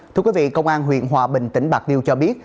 thưa quý vị công an huyện hòa bình tỉnh bạc liêu cho biết